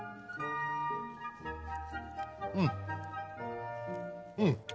うんうん。